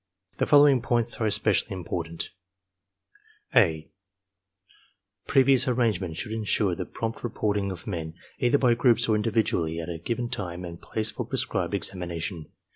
The follow ing points are especially important: (a) Previous arrangement should insure the prompt reporting of men either by groups or individually at a given time and place for prescribed examination.